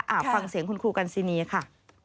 ฟังเสียงคุณครูกันซินีค่ะ